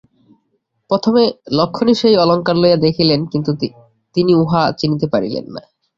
প্রথমে লক্ষ্মণই সেই অলঙ্কার লইয়া দেখিলেন, কিন্তু তিনি উহা চিনিতে পারিলেন না।